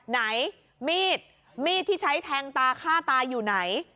ไหนมีดมีดที่ใช้แทงตาฆ่าตาอยู่ไหน